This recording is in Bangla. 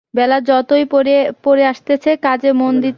বেলা যতই পড়ে আসছে, কাজে মন দিতে আর পারে না।